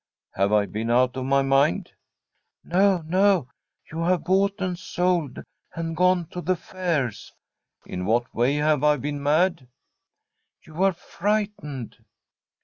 * Have I been out of my mind ?'' No, no ! You have bought and sold and gone to the fairs.' * In what way have I been mad ?'' You were frightened.'